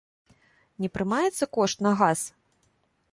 Не прымаецца кошт на газ?